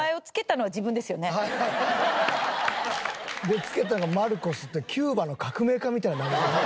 で付けたんが「マルコス」ってキューバの革命家みたいな名前。